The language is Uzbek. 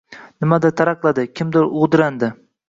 Nimadir taraqladi, kimdir g‘udrandi.